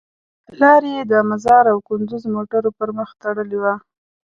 لار یې د مزار او کندوز موټرو پر مخ تړلې وه.